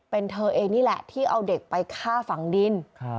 เป็นเธอเองนี่แหละที่เอาเด็กไปฆ่าฝังดิน